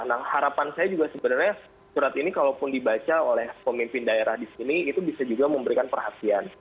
nah harapan saya juga sebenarnya surat ini kalaupun dibaca oleh pemimpin daerah di sini itu bisa juga memberikan perhatian